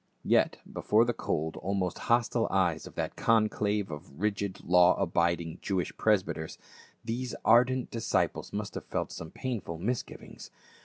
Yet before the cold, almost hostile eyes of that conclave of rigid law abiding Jewish presbyters, these ardent disciples must have felt some painful misgivings.